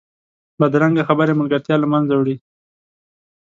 بدرنګه خبرې ملګرتیا له منځه وړي